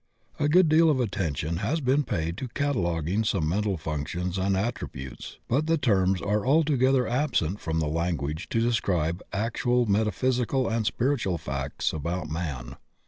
A good deal of attention has been paid to cataloguing some mental functions and attributes, but the terms are altogether absent from the language to describe actual meta physical and spiritual facts about man.